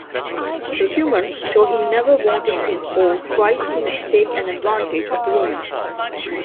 Documents show he never wanted to or tried to take advantage of the woman.